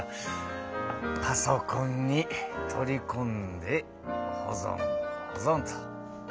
パソコンに取りこんで保ぞん保ぞんと。